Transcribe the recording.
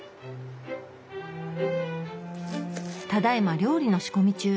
ただいま料理の仕込み中。